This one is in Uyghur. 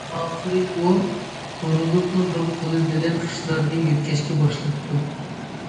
ئاخىرى ئۇ بۇرۇلۇپلا بىر قولى بىلەن خىشلارنى يۆتكەشكە باشلاپتۇ.